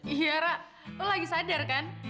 iya ra lo lagi sadar kan